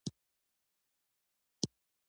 سیندونه د افغانستان په اوږده تاریخ کې ذکر شوی دی.